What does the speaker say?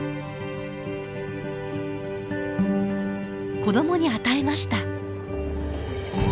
子どもに与えました。